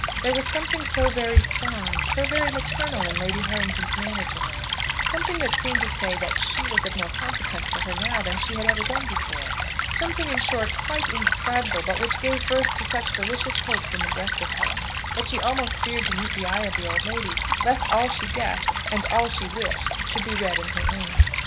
There was something so very fond, so very maternal in Lady Harrington's manner to her, something that seemed to say that she was of more consequence to her now than she had ever been before, something, in short, quite indescribable, but which gave birth to such delicious hopes in the breast of Helen, that she almost feared to meet the eye of the old lady, lest all she guessed, and all she wished, should be read in her own.